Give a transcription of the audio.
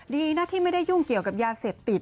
ดีนะที่ไม่ได้ยุ่งเกี่ยวกับยาเสพติด